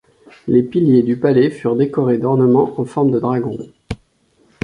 Les piliers du palais furent décorés d'ornements en forme de dragons.